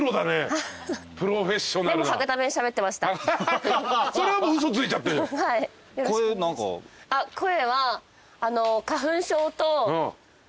あっ声は花粉症とあと。